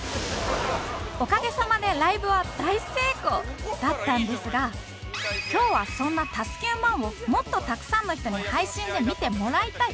おかげさまでライブは大成功だったんですが今日はそんな「＋９００００」をもっとたくさんの人に配信で見てもらいたい！